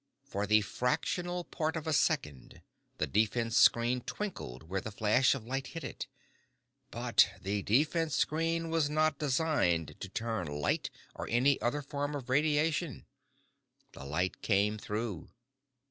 For the fractional part of a second, the defense screen twinkled where the flash of light hit it. But the defense screen was not designed to turn light or any other form of radiation. The light came through.